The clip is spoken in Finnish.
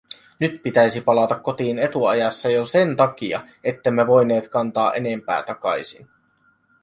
Nyt pitäisi palata kotiin etuajassa jo sen takia, ettemme voineet kantaa enempää takaisin.